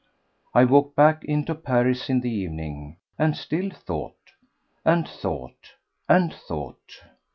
I walked back into Paris in the evening, and still thought, and thought, and thought.